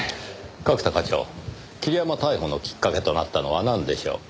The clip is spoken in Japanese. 角田課長桐山逮捕のきっかけとなったのはなんでしょう？